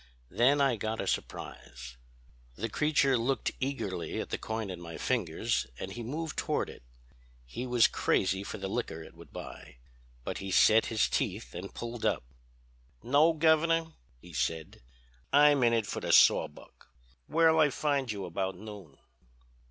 Then I got a surprise. "The creature looked eagerly at the coin in my fingers, and he moved toward it. He was crazy for the liquor it would buy. But he set his teeth and pulled up. "'No, Governor,' he said, 'I'm in it for the sawbuck. Where'll I find you about noon?'